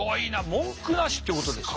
文句なしってことですよ。